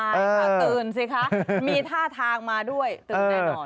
ใช่ค่ะตื่นสิคะมีท่าทางมาด้วยตื่นแน่นอน